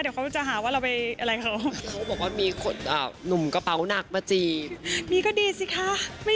ชัดเจนมีเขาดีสิค่ะ